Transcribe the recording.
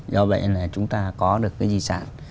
do vậy là chúng ta có được cái di sản